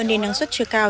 nên năng suất chưa cao